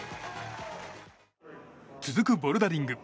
続くボルダリング。